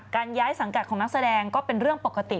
ย้ายสังกัดของนักแสดงก็เป็นเรื่องปกติ